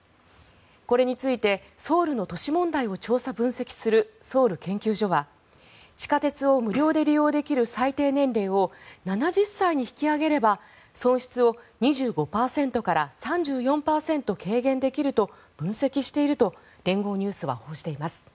これについてソウルの都市問題を調査・分析するソウル研究所は地下鉄を無料で利用できる最低年齢を７０歳に引き上げれば、損失を２５％から３４％軽減できると分析していると連合ニュースは報じています。